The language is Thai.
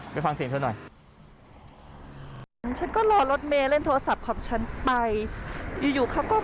ไปฟังเสียงเท่านั้นหน่อย